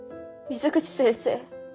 水口先生